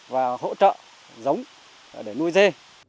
và hỗ trợ giống để nuôi dê